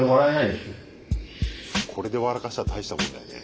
これで笑かしたら大したもんだよね。